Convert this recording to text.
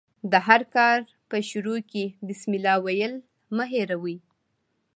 د هر کار په شروع کښي بسم الله ویل مه هېروئ!